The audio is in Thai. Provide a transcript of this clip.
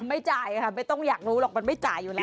ไม่จ่ายค่ะไม่ต้องอยากรู้หรอกมันไม่จ่ายอยู่แล้ว